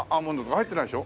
入ってないでしょ？